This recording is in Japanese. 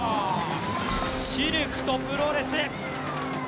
シルクとプロレス。